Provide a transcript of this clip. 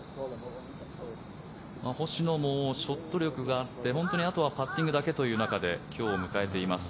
星野もショット力があって本当にあとはパッティングだけという中で今日を迎えています。